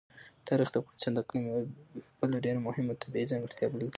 تاریخ د افغانستان د اقلیم یوه بله ډېره مهمه او طبیعي ځانګړتیا بلل کېږي.